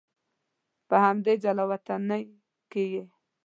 په همدې جلا وطنۍ کې یې.